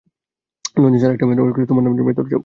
Lawrence আরেকটা মেরামত করছে তোমার জন্য, ভেতরে যাও।